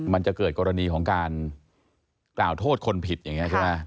มันจะเกิดกรณีของการกล่าวโทษคนผิดอย่างนี้ใช่ไหม